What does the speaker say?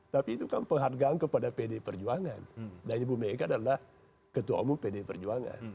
tapi itu kan penghargaan kepada pd perjuangan dan ibu mega adalah ketua umum pdi perjuangan